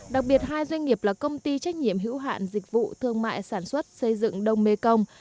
đặc biệt hai doanh nghiệp là công ty trách nhiệm hữu hạn dịch vụ thương mại sản xuất xây dựng đông mê công